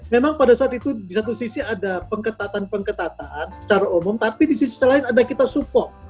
memang pada saat itu di satu sisi ada pengetatan pengetatan secara umum tapi di sisi lain ada kita support